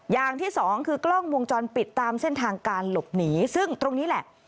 อย่างที่สองคือกล้องวงจรปิดตามเส้นทางการหลบหนีซึ่งตรงนี้แหละ